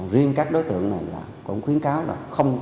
riêng các đối tượng này cũng khuyến cáo là